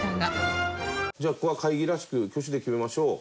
じゃあここは会議らしく挙手で決めましょう。